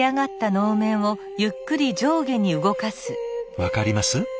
分かります？